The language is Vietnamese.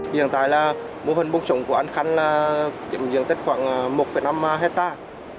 hiện tại là mô hình bông trồng của anh khanh là kiểm diện tích khoảng một năm hectare